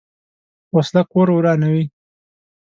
وسله کور ورانوي